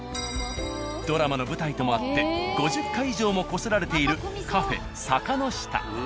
ドラマの舞台ともあって５０回以上もこすられている「Ｃａｆｅ坂の下」。